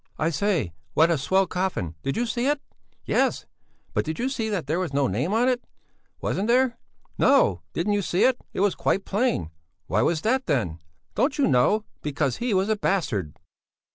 "I say, what a swell coffin! Did you see it?" "Yes! But did you see that there was no name on it?" "Wasn't there?" "No! Didn't you see it? It was quite plain." "Why was that, then?" "Don't you know? Because he was a bastard...."